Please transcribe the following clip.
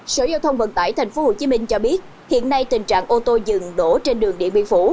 sở giao thông vận tải tp hcm cho biết hiện nay tình trạng ô tô dừng đổ trên đường điện biên phủ